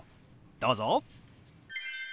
どうぞ。